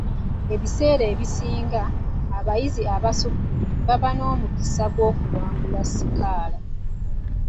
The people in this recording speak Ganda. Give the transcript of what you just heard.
Ebiseera ebisinga, abayizi abasukkulumye baba n'omukisa ogw'okuwangula sikaala.